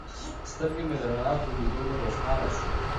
سترګې مې د رڼا په لیدلو روښانه شوې.